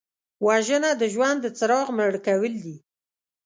وژنه د ژوند د څراغ مړ کول دي